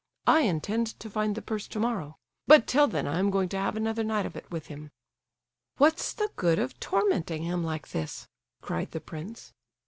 I intend to find the purse tomorrow; but till then I am going to have another night of it with him." "What's the good of tormenting him like this?" cried the prince.